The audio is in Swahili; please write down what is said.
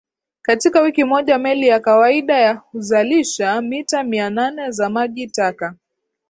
Katika wiki moja meli ya kawaida ya huzalisha mita mia nane za maji taka